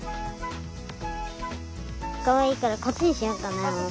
かわいいからこっちにしようかな。